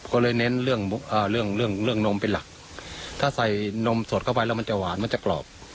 ก็เลยเน้นเรื่องเรื่องนมเป็นหลักถ้าใส่นมสดเข้าไปแล้วมันจะหวานมันจะกรอบ